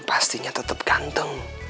pastinya tetep ganteng